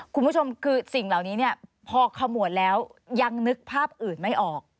คุณผู้ชมคือสิ่งเหล่านี้เนี่ยพอขมวดแล้วยังนึกภาพอื่นไม่ออก